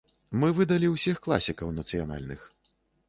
Мы выдалі ўсіх класікаў нацыянальных.